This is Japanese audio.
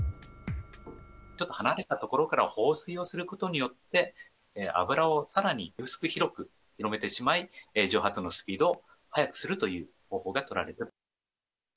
ちょっと離れた所から放水をすることによって、油をさらに薄く広く広げてしまい、蒸発のスピードを速くするという方法が取られた。